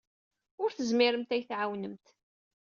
Ur tezmiremt ad iyi-tɛawnemt.